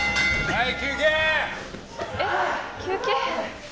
はい。